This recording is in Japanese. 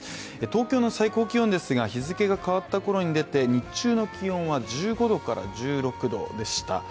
東京の最高気温ですが日付が変わったころに出て日中の気温は１５度から１６度でした。